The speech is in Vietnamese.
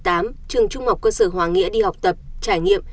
trường trung học cơ sở hòa nghĩa đi học tập trải nghiệm